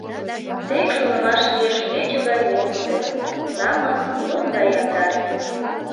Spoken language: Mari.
Тек шонымаш лиеш кече гай волгыдо, намыс — лум гай яндар.